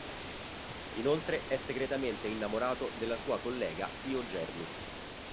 Inoltre è segretamente innamorato della sua collega Fio Germi.